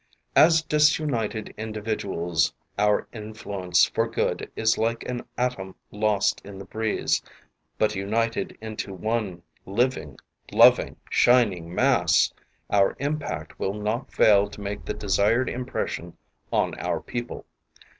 As disunited indi viduals our influence for good is like an atom lost in the breeze, but united into' one living, loving, shining mass, our impact will not fail to make the desired impression on our people.